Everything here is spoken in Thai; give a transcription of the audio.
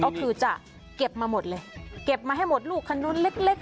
ก็คือจะเก็บมาหมดเลยเก็บมาให้หมดลูกคนนู้นเล็กเล็ก